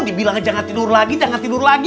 dibilang jangan tidur lagi